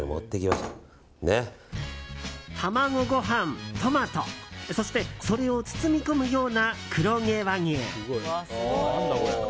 卵ご飯、トマト、そしてそれを包み込むような黒毛和牛。